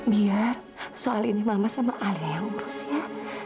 biar soal ini mama sama ayah yang urus ya